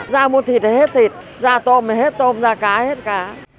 ra mua thịt thì hết thịt ra tôm thì hết tôm ra cá thì hết cá